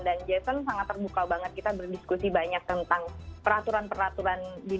dan jason sangat terbuka banget kita berdiskusi banyak tentang peraturan peraturan di dunia akhirat kita